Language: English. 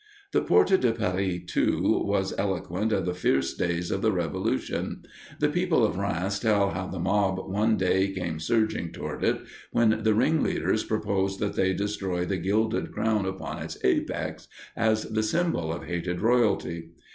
The Porte de Paris, too, was eloquent of the fierce days of the Revolution. The people of Rheims tell how the mob one day came surging toward it, when the ringleaders proposed that they destroy the gilded crown upon its apex as the symbol of hated royalty.